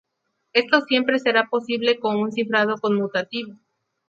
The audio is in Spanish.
Esto siempre será posible con un cifrado conmutativo.